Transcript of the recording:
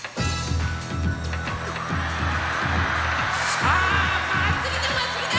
さあまつりだまつりだ！